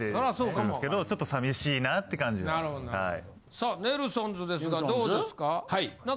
さあネルソンズですがどうですか？